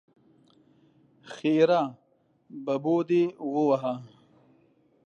ښېرا: ببو دې ووهه!